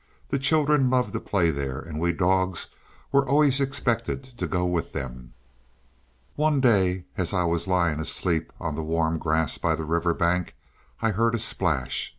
The children loved to play there, and we dogs were always expected to go with them. One day, as I was lying asleep on the warm grass by the river bank, I heard a splash.